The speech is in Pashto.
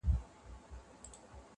• زور لري چي ځان کبابولای سي -